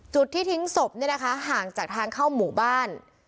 จุดที่ทิ้งศพเนี่ยนะคะห่างจากทางเข้าหมู่บ้าน